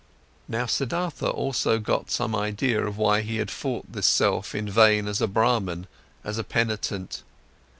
Now Siddhartha also got some idea of why he had fought this self in vain as a Brahman, as a penitent.